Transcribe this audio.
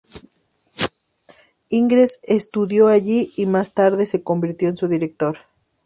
Ingres estudió allí, y más tarde se convirtió en su director.